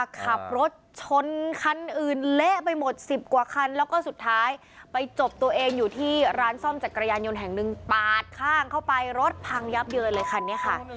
ขับรถชนคันอื่นเละไปหมดสิบกว่าคันแล้วก็สุดท้ายไปจบตัวเองอยู่ที่ร้านซ่อมจักรยานยนต์แห่งหนึ่งปาดข้างเข้าไปรถพังยับเยินเลยคันนี้ค่ะ